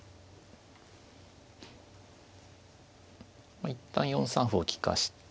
まあ一旦４三歩を利かして。